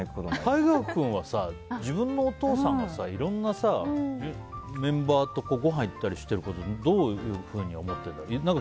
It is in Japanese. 大我君は自分のお父さんがいろんなメンバーとごはん行ったりしていることをどう思ってるんだろうね。